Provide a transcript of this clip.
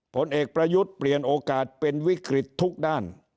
ผลเอกประยุทธ์เปลี่ยนโอกาสเป็นวิกฤตทุกด้าน